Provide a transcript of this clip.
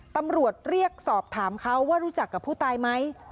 ตำรวจเรียกสอบถามเขาว่ารู้จักกับผู้ตายไหม